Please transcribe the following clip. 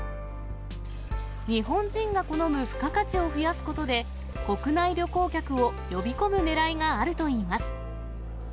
日本人が好む付加価値を増やすことで、国内旅行客を呼び込むねらいがあるといいます。